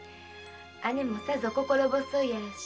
姉もさぞ心細いやろし